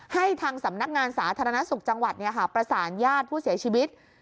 ให้ทางสำนักงานสาธารณสุขจังหวัดประสานญาติผู้เสียชีวิต